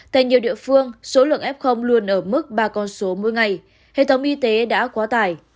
tại nhiều địa phương số lượng f luôn ở mức ba con số mỗi ngày hệ thống y tế đã quá tải